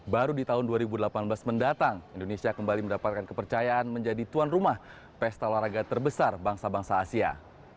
baru di tahun dua ribu delapan belas mendatang indonesia kembali mendapatkan kepercayaan menjadi tuan rumah pesta olahraga terbesar bangsa bangsa asia